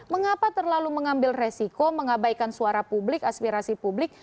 mengapa terlalu mengambil resiko mengabaikan suara publik aspirasi publik